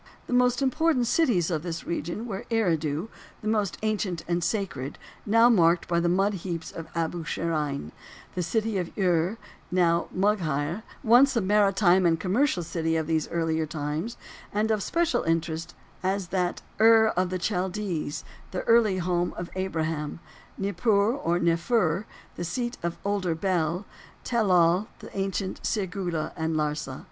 The most important of the cities of this region were Eridu, the most ancient and sacred, now marked by the mud heaps of Abu Sharein; the city of Ur, now Mugheir, once a maritime and commercial city of these earlier times, and of special interest as that "Ur of the Chaldees," the early home of Abraham; Nippur, or Neffur, the seat of older Bel; Tel Loh, the ancient Sirgulla, and Larsa.